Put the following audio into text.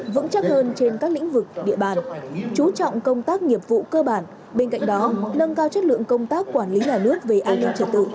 vững chắc hơn trên các lĩnh vực địa bàn chú trọng công tác nghiệp vụ cơ bản bên cạnh đó nâng cao chất lượng công tác quản lý nhà nước về an ninh trật tự